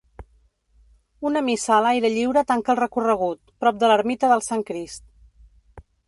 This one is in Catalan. Una missa a l'aire lliure tanca el recorregut, prop de l'ermita del Sant Crist.